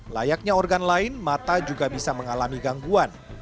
layaknya organ lain mata juga bisa mengalami gangguan